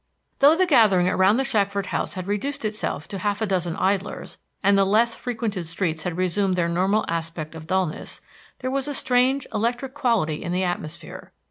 Though the gathering around the Shackford house had reduced itself to half a dozen idlers, and the less frequented streets had resumed their normal aspect of dullness, there was a strange, electric quality in the atmosphere.